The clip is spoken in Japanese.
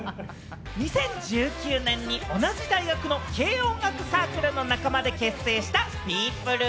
２０１９年に同じ大学の軽音楽サークルの仲間で結成したＰＥＯＰＬＥ